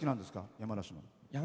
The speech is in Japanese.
山梨の。